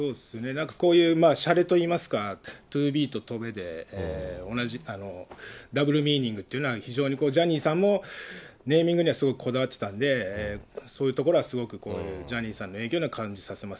なんかこういうしゃれといいますか、ＴＯＢＥとトベで、同じダブルミーニングというのは、非常にジャニーさんもネーミングにはすごいこだわってたんで、そういうところはすごくジャニーさんの影響というのは感じさせま